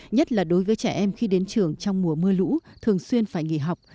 nhất là đối với trẻ em khi đến trường trong mùa mưa lũ thường xuyên phải nghỉ học